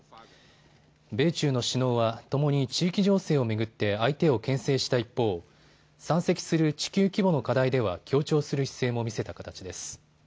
米中の首脳はともに地域情勢を巡って相手をけん制した一方、山積する地球規模の課題では協調する姿勢も見せた形です。